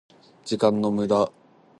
時間の無駄？